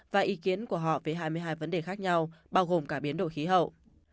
và ý kiến của họ về hai mươi hai vấn đề khác nhau bao gồm cả biến đổi khí hậu